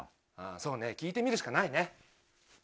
そうね聞いてみるしかないね。